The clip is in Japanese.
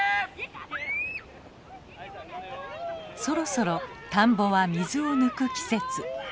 そろそろ田んぼは水を抜く季節。